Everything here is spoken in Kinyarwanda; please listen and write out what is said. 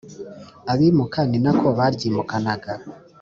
Abimuka ni na ko baryimukanaga